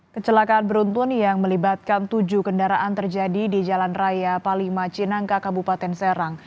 kecelakaan beruntun yang melibatkan tujuh kendaraan terjadi di jalan raya palima cinangka kabupaten serang